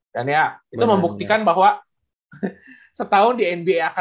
jadi encima dia yang em hopeful gitu